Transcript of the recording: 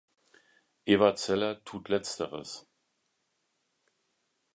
Eva Zeller tut letzteres.